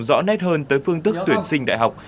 rõ nét hơn tới phương thức tuyển sinh đại học